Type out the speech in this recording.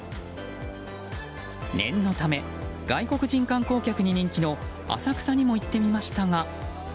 念のため外国人観光客に人気の浅草にも行ってみましたが。